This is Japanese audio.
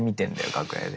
楽屋で。